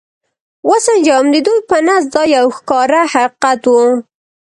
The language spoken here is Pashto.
و سنجوم، د دوی په نزد دا یو ښکاره حقیقت و.